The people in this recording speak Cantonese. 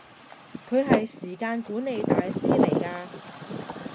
佢係時間管理大師嚟㗎